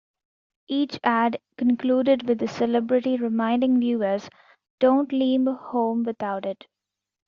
Each ad concluded with the celebrity reminding viewers: Don't Leave Home Without It.